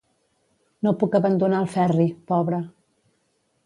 No puc abandonar el Ferri, pobre.